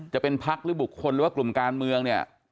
จะเป็นพักหรือบุคคลหรือว่ากลุ่มการเมืองเนี่ย